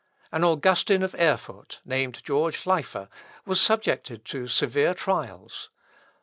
An Augustin of Erfurt, named George Leiffer, was subjected to severe trials.